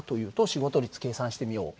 仕事率計算してみよう。